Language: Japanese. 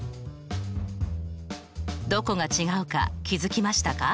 どこが違うか気付きましたか？